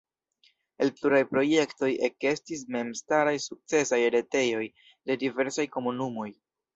El pluraj projektoj ekestis memstaraj sukcesaj retejoj de diversaj komunumoj.